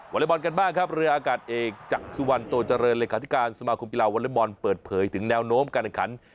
อเล็กบอลกันบ้างครับเรืออากาศเอกจากสุวรรณโตเจริญเลขาธิการสมาคมกีฬาวอเล็กบอลเปิดเผยถึงแนวโน้มการแข่งขัน